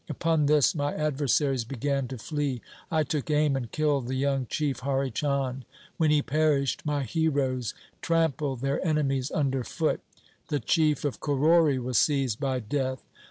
Upon this my adversaries began to flee. I took aim and killed the young chief, Hari Chand. When he perished my heroes trampled their enemies under foot. The chief of Korori was seized by death.